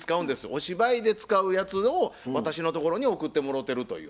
お芝居で使うやつを私のところに送ってもろうてるという。